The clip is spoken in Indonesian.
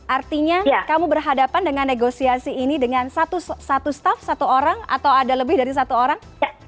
artinya kamu berhadapan dengan negosiasi ini dengan satu staff satu orang atau ada lebih dari satu orang